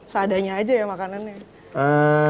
seadanya aja ya makanannya